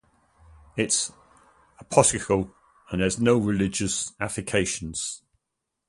It is apolitical and has no religious affiliation.